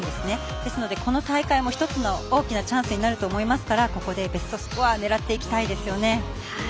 ですので、この大会も１つの大きなチャンスになると思いますからここでベストスコアを狙っていきたいですよね。